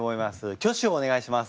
挙手をお願いします。